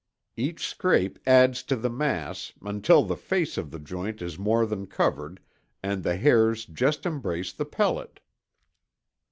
Each scrape adds to the mass, until the face of the joint is more than covered, and the hairs just embrace the pellet."